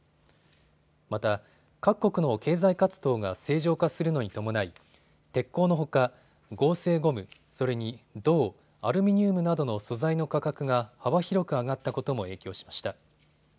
また、各国の経済活動が正常化するのに伴い鉄鋼のほか合成ゴム、それに銅、アルミニウムなどの素材の価格が幅広く上がったことも影響しました。